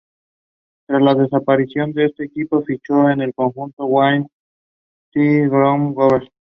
Tras la desaparición de este equipo fichó por el conjunto Wanty-Groupe Gobert.